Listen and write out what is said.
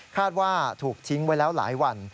ว่าถูกทิ้งไว้แล้วหลายวัน